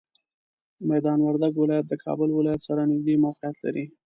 میدان وردګ ولایت د کابل ولایت سره نږدې موقعیت لري.